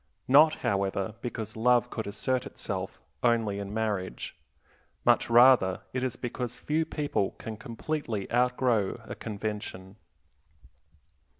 Not, however, because love could assert itself only in marriage; much rather is it because few people can completely outgrow a convention.